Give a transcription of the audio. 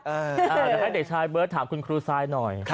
เดี๋ยวให้เด็กชายเบิร์ตถามคุณครูซายหน่อย